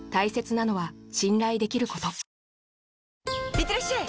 いってらっしゃい！